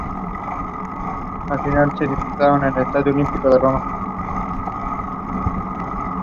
Al mismo tiempo, una multitud de varios miles de personas continuaba arribando al sitio.